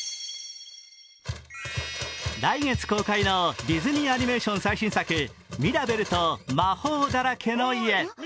来月公開のディズニーアニメーション最新作、「ミラベルと魔法だらけの家」。